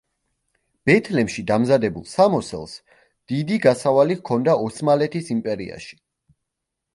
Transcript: ბეთლემში დამზადებულ სამოსელს დიდი გასავალი ჰქონდა ოსმალეთის იმპერიაში.